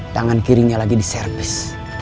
tangan kirinya lagi diservis